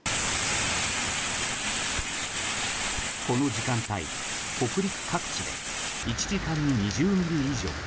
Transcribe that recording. この時間帯、北陸各地で１時間２０ミリ以上。